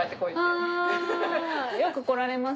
よく来られます？